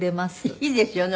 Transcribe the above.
いいですよね。